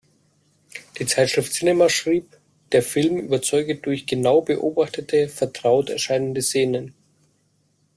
Die Zeitschrift "Cinema" schrieb, der Film überzeuge „durch genau beobachtete, vertraut erscheinende Szenen“.